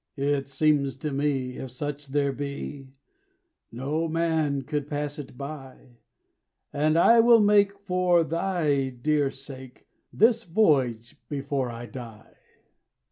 "It seems to me, if such there be, No man could pass it by; And I will make, for thy dear sake, This voyage before I die.